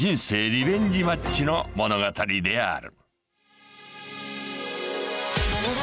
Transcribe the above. リベンジマッチの物語である］